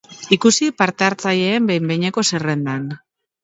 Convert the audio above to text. Ikusi parte-hartzaileen behin behineko zerrendan.